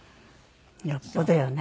よっぽどよね。